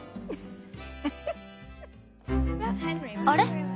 あれ？